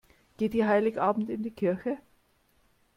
Geht ihr Heiligabend in die Kirche?